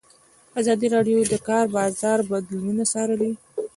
ازادي راډیو د د کار بازار بدلونونه څارلي.